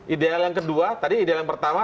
ideal yang kedua tadi ideal yang pertama